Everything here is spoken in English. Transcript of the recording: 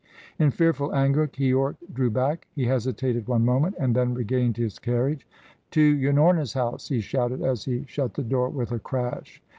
In fearful anger Keyork drew back. He hesitated one moment and then regained his carriage. "To Unorna's house!" he shouted, as he shut the door with a crash.